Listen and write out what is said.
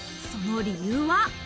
その理由は。